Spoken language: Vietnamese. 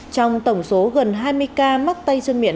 trong tổng số gần hai mươi ca mắc tay chân miệng